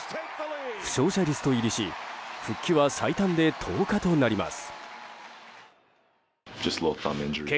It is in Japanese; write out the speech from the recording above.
負傷者リスト入りし復帰は最短で１０日となります。